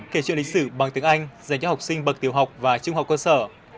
kể chuyện lịch sử bằng tiếng anh dành cho học sinh bậc tiểu học và trung học cơ sở